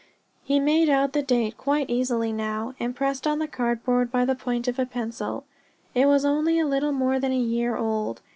He made out the date quite easily now, impressed in the cardboard by the point of a pencil. It was only a little more than a year old.